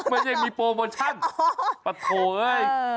ไม่ได้มีโปรโมชั่นปะโถเอ้ย